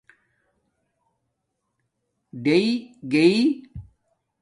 ڈِݶ گݶ